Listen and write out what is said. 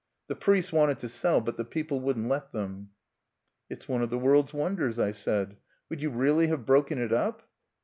The priests wanted to sell, but the people wouldn't let them." "It's one of the world's wonders," I said. "Would you really have broken it up?"